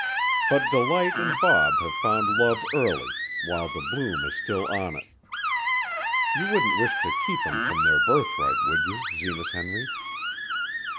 But Delight an' Bob have found love early, while the bloom is still on it. You wouldn't wish to keep 'em from their birthright, would you, Zenas Henry?"